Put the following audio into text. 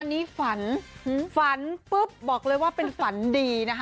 อันนี้ฝันฝันปุ๊บบอกเลยว่าเป็นฝันดีนะคะ